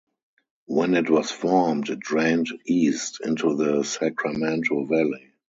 When it was formed it drained east into the Sacramento Valley.